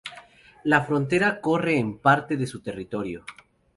La frontera corre en parte de su territorio.